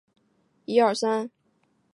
秦哀平帝苻丕氐族人。